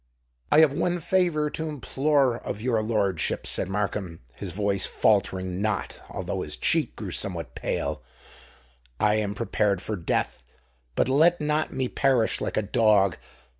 "I have one favour to implore of your lordship," said Markham, his voice faltering not, although his cheek grew somewhat pale: "I am prepared for death—but let me not perish like a dog.